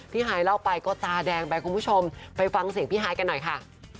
ฮายเล่าไปก็ตาแดงไปคุณผู้ชมไปฟังเสียงพี่ฮายกันหน่อยค่ะ